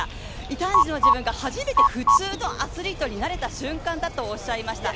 異端児の自分が初めて普通のアスリートになれた瞬間だとおっしゃいました。